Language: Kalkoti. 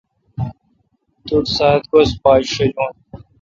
تو ٹھ سات گز پاچ شجہ۔